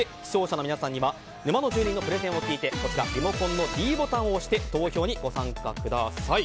視聴者の皆さんにはサバ缶沼の住人のプレゼンを聞いてリモコンのｄボタンを押して投票をお願いします。